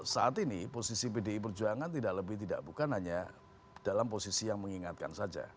saat ini posisi bdi perjuangan tidak lebih tidak bukan hanya dalam posisi yang mengingatkan saja